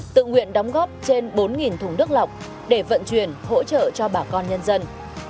tự nguyện đóng góp trên bốn thùng nước lọc để vận chuyển hỗ trợ cho bà con nhân dân